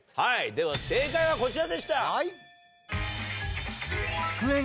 では正解はこちらでした。